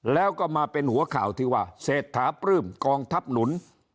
แล้วก็มาเป็นหัวข่าวที่ว่าเศรษฐาปลื้มกองทัพหนุน